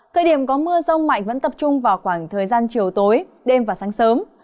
thời điểm có mưa rông mạnh vẫn tập trung vào khoảng thời gian chiều tối đêm và sáng sớm